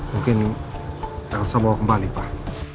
mungkin elsa mau kembali pak